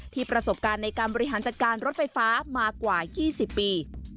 ประสบการณ์ในการบริหารจัดการรถไฟฟ้ามากว่า๒๐ปี